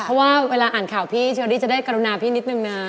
เพราะว่าเวลาอ่านข่าวพี่เชอรี่จะได้กรุณาพี่นิดนึงนะ